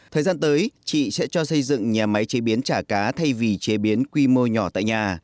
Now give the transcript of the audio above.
thời gian tới chị sẽ cho xây dựng nhà máy chế biến chả cá thay vì chế biến quy mô nhỏ tại nhà